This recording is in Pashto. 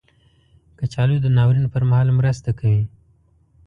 کچالو د ناورین پر مهال مرسته کوي